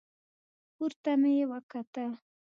پورته مې وکتل.